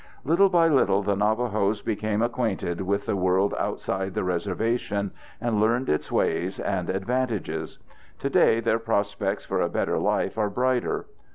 ] Little by little the Navajos became acquainted with the world outside the reservation and learned its ways and advantages. Today their prospects for a better life are brighter.